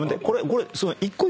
これ。